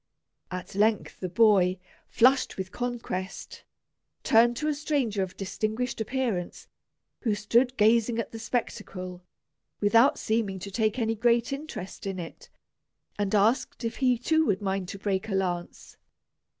At length the boy, flushed with conquest, turned to a stranger of distinguished appearance who stood gazing at the spectacle, without seeming to take any great interest in it, and asked if he too had a mind to break a lance.